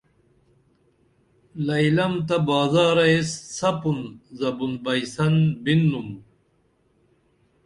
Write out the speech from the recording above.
لئیلم تہ بازارہ ایس سپُن زبُن بئیسن بِنُم